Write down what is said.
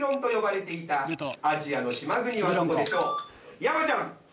山ちゃん。